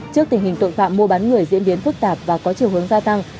trước tình hình tội phạm mua bán người diễn biến phức tạp và có chiều hướng gia tăng